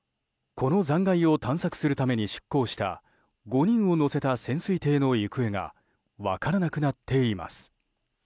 この残骸を探索するために出航した５人を乗せた潜水艇の行方が分からなくなっています。